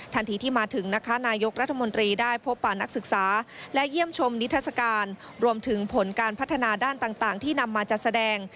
ทันทีที่มาถึงนะคะนายกรัฐมนตรีได้พบป่านักศึกษาและเยี่ยมชมนิทัศกาลรวมถึงผลการพัฒนาด้านต่างที่นำมาจัดแสดง